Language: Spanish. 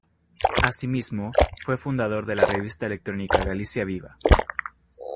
Asimismo, fue fundador de la revista electrónica Galicia Viva.